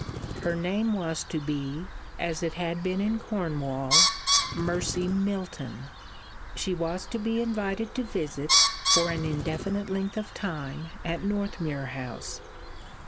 Her name was to be, as it had been in Cornwall, Mercy Milton. She was to be invited to visit, for an indefinite length of time, at Northmuir House.